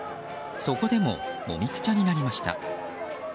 そこでももみくちゃになりました。